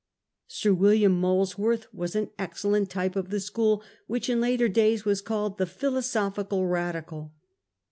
Sir William Molesworth was an excellent type of the school which in later days was called the Philosophical Radical.